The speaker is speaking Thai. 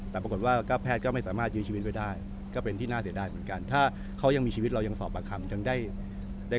แต่ปรากฏว่าแพทย์ก็ไม่สามารถดึงในชีวิตไปได้